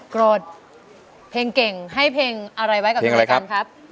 โกรธเพลงเก่งให้เพลงอะไรไว้กับตัวกันครับ